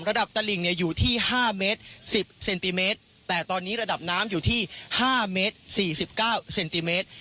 ระดับตะหลิงเนี่ยอยู่ที่ห้าเมตรสิบเซนติเมตรแต่ตอนนี้ระดับน้ำอยู่ที่ห้าเมตรสี่สิบเก้าเซนติเมตร